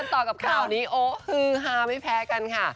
ต่อกับข่าวนี้โอ้ฮือฮาไม่แพ้กันค่ะ